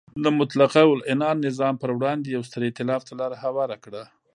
د مطلقه العنان نظام پر وړاندې یو ستر ایتلاف ته لار هواره کړه.